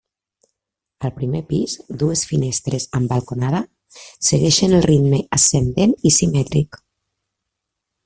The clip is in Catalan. Al primer pis dues finestres amb balconada segueixen el ritme ascendent i simètric.